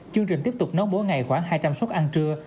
chương trình tiếp tục nấu mỗi ngày khoảng hai trăm linh suất ăn trưa